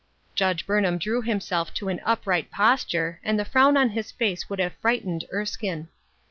Judge Burnham drew himself to an upright post ure, and the frown on his face would have fright ened Erskine.